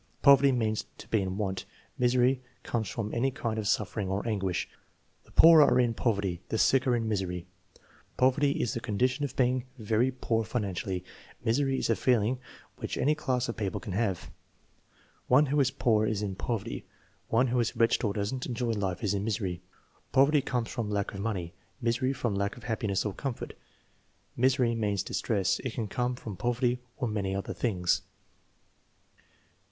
"Poverty means to be in want; misery comes from any kind of suffering or anguish." "The poor are in poverty; the sick are in misery." "Poverty is the condition of being very poor financially; misery is a feeling which any class of people can have." "One who is poor is in poverty; one who is wretched or does n't enjoy life is in misery." "Poverty comes from lack of money; misery, from lack of happiness or comfort." "Misery means distress. It can come from poverty or many other things."